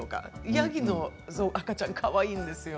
ヤギの赤ちゃんすごくかわいいんですよ。